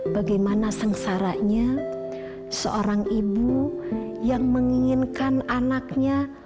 bagaimana sengsaranya seorang ibu yang menginginkan anaknya